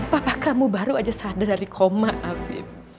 papa kamu baru saja sadar dari koma afif